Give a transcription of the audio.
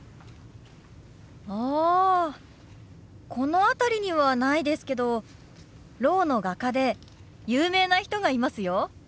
あこの辺りにはないですけどろうの画家で有名な人がいますよ。